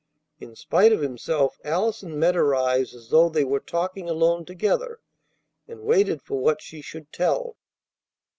In spite of himself Allison met her eyes as though they were talking alone together, and waited for what she should tell.